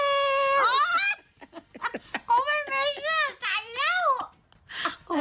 ก็ไม่ได้เสื้อใส่แล้ว